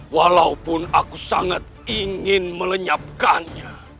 walaupun aku sangat ingin melenyapkannya